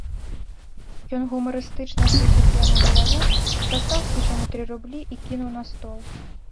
Ён гумарыстычна звесіў п'яную галаву, дастаў з кішэні тры рублі і кінуў на стол.